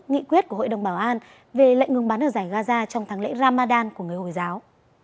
nghị quyết của hội đồng bảo an về lệnh ngừng bắn ở giải gaza trong tháng lễ ramadan của người hồi giáo